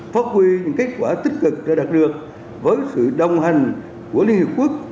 phát huy những kết quả tích cực đã đạt được với sự đồng hành của liên hợp quốc